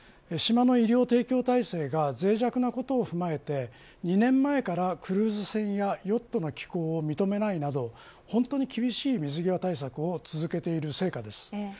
島の医療提供体制が脆弱なことを踏まえて２年前からクルーズ船やヨットの寄港を認めないなど本当に厳しい水際対策を続けている成果です。